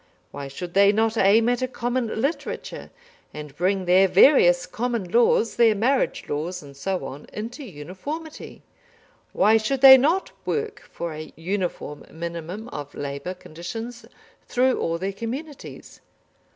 Why should they not aim at a common literature, and bring their various common laws, their marriage laws, and so on, into uniformity? Why should they not work for a uniform minimum of labour conditions through all their communities?